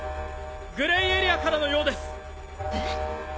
グレーエリアからのようです！えっ！？